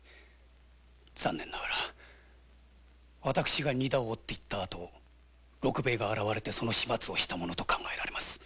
残念ながら私が荷駄を追って行った後六兵ヱが現れて始末をしたものと考えられます。